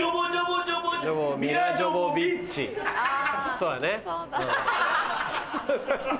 そうだね。